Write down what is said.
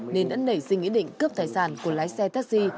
nên đã nảy sinh ý định cướp tài sản của lái xe taxi